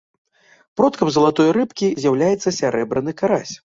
Продкам залатой рыбкі з'яўляецца сярэбраны карась.